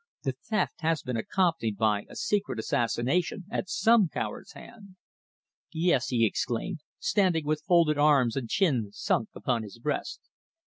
"The theft has been accompanied by a secret assassination at some coward's hand." "Yes," he exclaimed, standing with folded arms and chin sunk upon his breast.